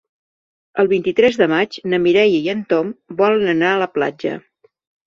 El vint-i-tres de maig na Mireia i en Tom volen anar a la platja.